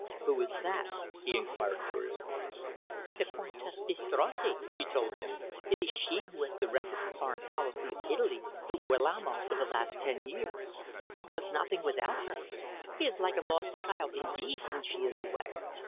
"Who is that?" he enquired curiously. "The Comtesse di Strozzi," she told him. "It is she who has directed the foreign policy of Italy through Guillamo for the last ten years. He does nothing without her. He is like a lost child, indeed, when she is away.